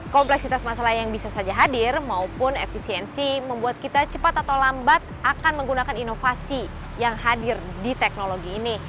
kompleksitas masalah yang bisa saja hadir maupun efisiensi membuat kita cepat atau lambat akan menggunakan inovasi yang hadir di teknologi ini